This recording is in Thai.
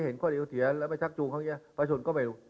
เห็นข้อเอวเสียแล้วไปชักจูงเขาอย่างนี้ประชนก็ไม่รู้